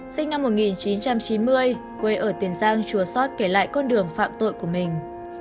sinh năm một nghìn chín trăm chín mươi quê ở tiền giang chùa sót kể lại con đường phạm tội của mình